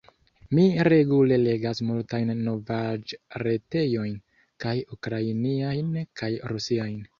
Mi regule legas multajn novaĵ-retejojn, kaj ukrainiajn, kaj rusiajn.